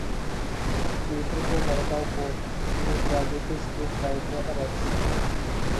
Twitter पर भड़काऊ post, Bullet Raja के स्क्रिप्टराइटर अरेस्ट